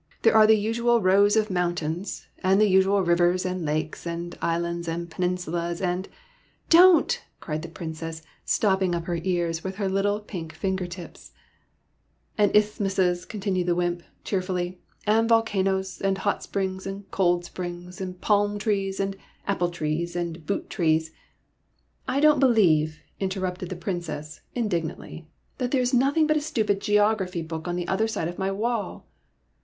There are the usual rows of mountains, and the usual rivers and lakes and islands and peninsulas and —"" Don't !" cried the Princess, stopping up her ears with her little pink finger tips. 76 SOMEBODY ELSE'S PRINCE "— and isthmuses," continued the wymp, cheerfully ;'' and volcanoes, and hot springs and cold springs, and palm trees and apple trees and boot trees —*'" I don't believe," interrupted the Princess, indignantly, ''that there is nothing but a stupid geography book on the other side of my wall